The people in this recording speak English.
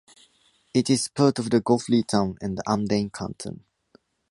It is part of the Goulfey town and the Amdane canton.